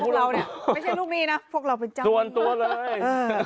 ไม่ใช่ลูกหนี้นะพวกเราเป็นเจ้าหนี้